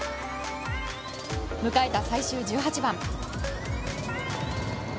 迎えた最終１８番。